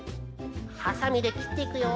ハサミできっていくよ。